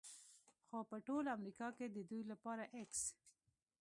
خو په ټول امریکا کې د دوی لپاره x